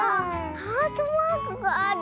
ハートマークがある。